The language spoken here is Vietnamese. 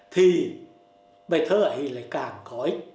thì bài thơ ấy lại càng có ích